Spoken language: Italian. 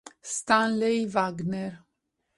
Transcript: Stanley Wagner